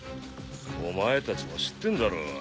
お前たちも知ってんだろ？